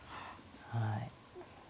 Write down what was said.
はい。